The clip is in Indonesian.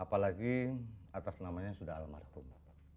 apalagi atas namanya sudah almarhum